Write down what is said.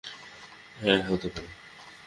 হ্যাঁ, হতে পারে।